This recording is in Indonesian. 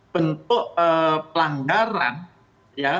bentuk pelanggaran ya